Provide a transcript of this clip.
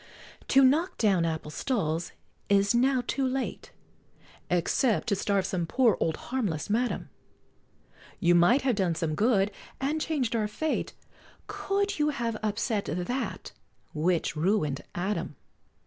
To knock down apple stalls is now too late, Except to starve some poor old harmless madam; You might have done some good, and chang'd our fate, Could you have upset that, which ruined Adam!